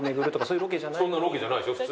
そんなロケじゃないですよ。